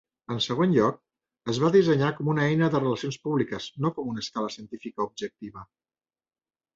En segon lloc, es va dissenyar com una eina de relacions públiques, no com una escala científica objectiva.